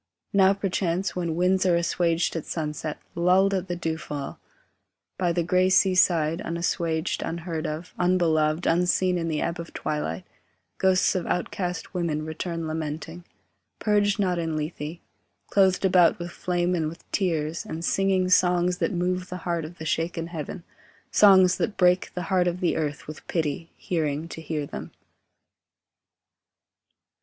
Now perchance, when winds are assuaged at sunset, Lulled at the dewfall, By the grey sea side, unassuaged, unheard of, Unbeloved, unseen in the ebb of twilight, Ghosts of outcast women return lamenting, Purged not in Lethe, Clothed about with flame and with tears, and singing Songs that move the heart of the shaken heaven, Songs that break the heart of the earth with pity, Hearing, to hear them.